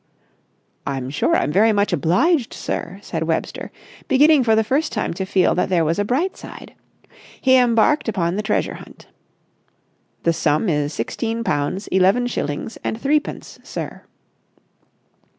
"I'm sure I'm very much obliged, sir," said Webster, beginning for the first time to feel that there was a bright side. He embarked upon the treasure hunt. "The sum is sixteen pounds eleven shillings and threepence, sir."